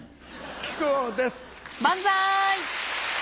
木久扇です。